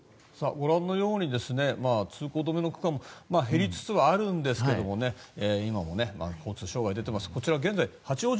ご覧のように通行止めの区間も減りつつはあるんですが今も交通障害が出ています。